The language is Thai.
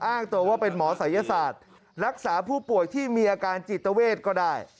อ้างตัวว่าเป็นหมอศัยศาสตร์รักษาผู้ป่วยที่มีอาการจิตเวทก็ได้